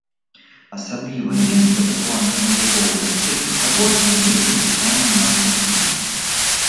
Асаблівае месца ў планах навукова-даследчых работ надаецца пытанням нафтахіміі.